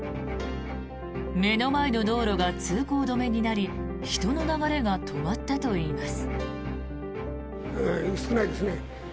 目の前の道路が通行止めになり人の流れが止まったといいます。